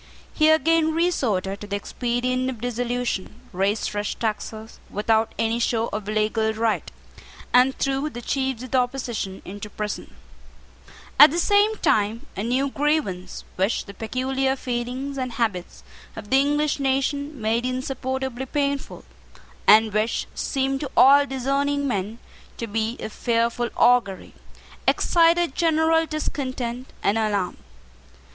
He again resorted to the expedient of dissolution, raised fresh taxes without any show of legal right, and threw the chiefs of the opposition into prison At the same time a new grievance, which the peculiar feelings and habits of the English nation made insupportably painful, and which seemed to all discerning men to be of fearful augury, excited general discontent and alarm.